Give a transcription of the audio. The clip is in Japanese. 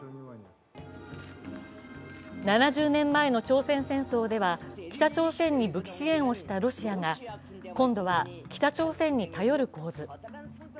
７０年前の朝鮮戦争では北朝鮮に武器支援をしたロシアが今度は北朝鮮に頼る構図。